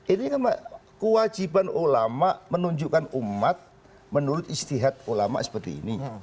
ini kan kewajiban ulama menunjukkan umat menurut istihad ulama seperti ini